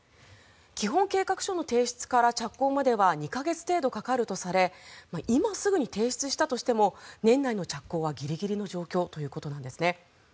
基本計画書の提出から着工までは２か月程度かかるとされ今すぐに提出したとしても年内の着工はギリギリの状況ということなんです。